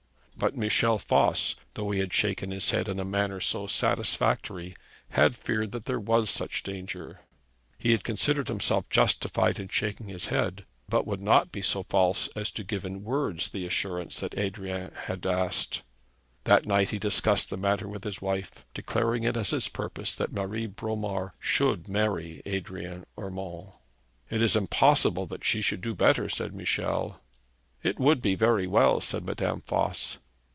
But Michel Voss, though he had shaken his head in a manner so satisfactory, had feared that there was such danger. He had considered himself justified in shaking his head, but would not be so false as to give in words the assurance which Adrian had asked. That night he discussed the matter with his wife, declaring it as his purpose that Marie Bromar should marry Adrian Urmand. 'It is impossible that she should do better,' said Michel. 'It would be very well,' said Madame Voss.